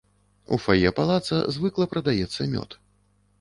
У фае палаца звыкла прадаецца мёд.